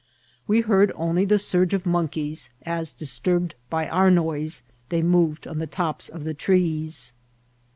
We heard only the surge of monkeys, as, disturbed by our noise, they moved on the tops of the trees.